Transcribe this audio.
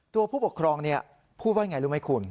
ผู้ปกครองพูดว่าอย่างไรรู้ไหมคุณ